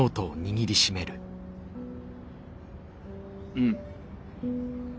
うん。